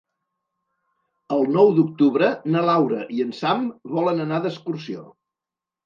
El nou d'octubre na Laura i en Sam volen anar d'excursió.